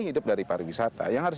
hidup dari pariwisata yang harus